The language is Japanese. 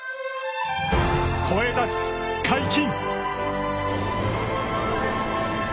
声出し解禁！